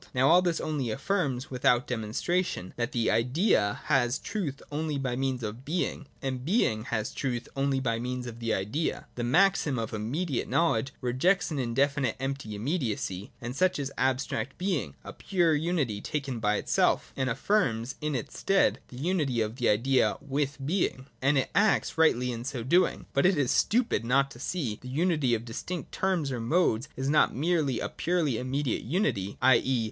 Now all this only affirms, without demonstration, that the Idea has truth only by means of being, and being has truth only by means of the Idea. The maxim of immediate knowledge rejects an indefinite empty immediacy (and such is abstract being, or pure unity taken by itself), and affirms in its stead the unity of the Idea with being. And it acts rightly in so doing. But it is stupid not to see that the unity of distinct terms or modes is not merely a purely immediate unity, t.e.